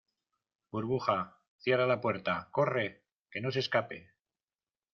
burbuja, cierra la puerta. corre . que no se escape .